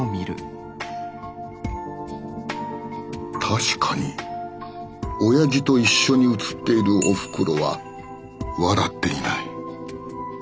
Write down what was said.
確かにオヤジと一緒に写っているおふくろは笑っていない。